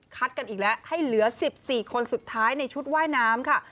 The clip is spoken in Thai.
กันอีกแล้วให้เหลือ๑๔คนสุดท้ายในชุดว่ายน้ำค่ะ